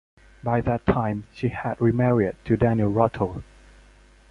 By that time she had remarried to Daniel Ruttle.